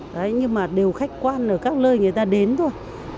đấy nhưng mà đều khách quan ở các lơi người ta đến thôi